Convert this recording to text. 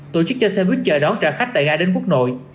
tổ chức cho xe buýt chở đón trả khách tại nga đến quốc nội